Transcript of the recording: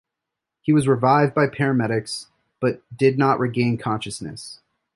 He was revived by paramedics but did not regain consciousness.